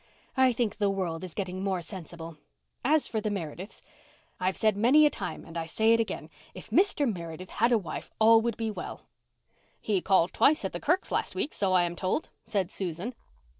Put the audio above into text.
I think the world is getting more sensible. As for the Merediths, I've said many a time and I say it again, if Mr. Meredith had a wife all would be well." "He called twice at the Kirks' last week, so I am told," said Susan.